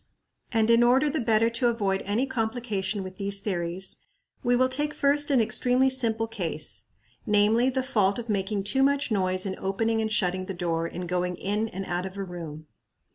And in order the better to avoid any complication with these theories, we will take first an extremely simple case, namely, the fault of making too much noise in opening and shutting the door in going in and out of a room.